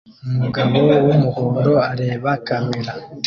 umugabo wumuhondo areba kamera